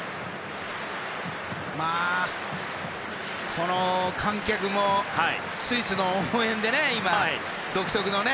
この観客もスイスの応援で今、独特のね。